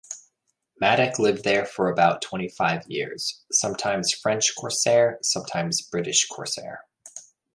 Madec lived there for about twenty five years, sometimes French corsair, sometimes British corsair.